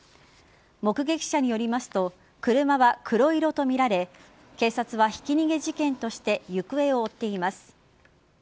目撃者によりますと車は黒色とみられ警察はひき逃げ事件として行方を追っています。